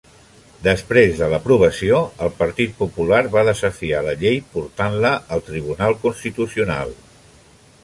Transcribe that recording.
Després de l'aprovació, el Partit Popular va desafiar la llei portant-la al Tribunal Constitucional.